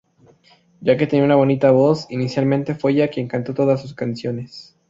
Ya que tenía una bonita voz, inicialmente fue ella quien cantó todas sus canciones.